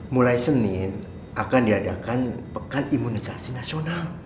mulai senin akan diadakan pekan imunisasi nasional